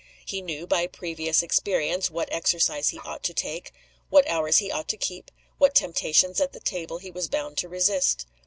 He knew, by previous experience, what exercise he ought to take, what hours he ought to keep, what temptations at the table he was bound to resist.